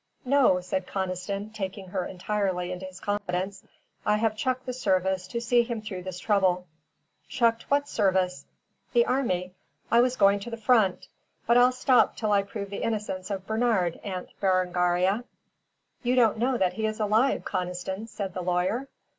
"No," said Conniston, taking her entirely into his confidence. "I have chucked the service to see him through his trouble." "Chucked what service?" "The army. I was going to the front. But I'll stop till I prove the innocence of Bernard, Aunt Berengaria." "You don't know that he is alive, Conniston," said the lawyer.